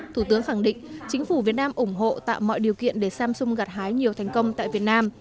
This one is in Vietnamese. thủ tướng khẳng định chính phủ việt nam ủng hộ tạo mọi điều kiện để samsung gặt hái nhiều thành công tại việt nam